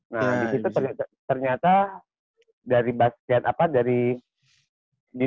nah di situ ternyata dari basket apa dari